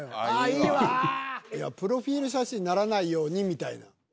プロフィル写真にならないようにみたいな。